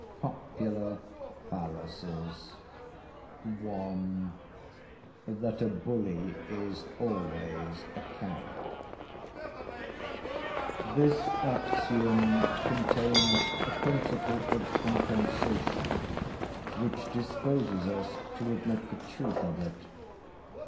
POPULAR FALLACIES I.—THAT A BULLY IS ALWAYS A COWARD This axiom contains a principle of compensation, which disposes us to admit the truth of it.